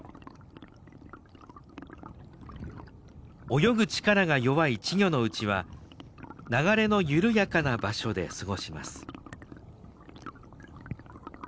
泳ぐ力が弱い稚魚のうちは流れの緩やかな場所で過ごします。